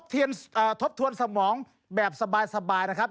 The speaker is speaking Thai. ทบทวนสมองแบบสบายนะครับ